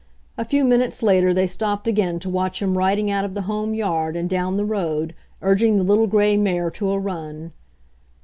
A few minutes later they stopped again to watch him riding out of the home yard and down the road, urging the little gray mare to a run.